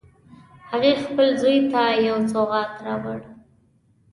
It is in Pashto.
هغې خپل زوی ته یو سوغات راوړی